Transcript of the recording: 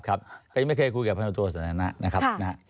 ก็ยังไม่เคยคุยกับพนักโทษธนานะครับ